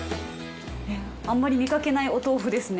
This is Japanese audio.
あんまり見かけないお豆腐ですね。